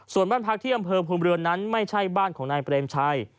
ส่วนบ้านพักที่อำเภอภูมิเรือนนั้นไม่ใช่บ้านของนายเปรมชัย